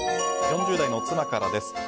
４０代の妻からです。